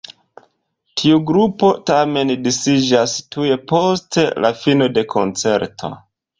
Tiu grupo tamen disiĝas tuj post la fino de koncerto.